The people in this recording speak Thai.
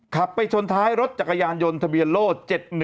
ขับไปชนท้ายรถจักรยานยนต์ทะเบียนโล่๗๑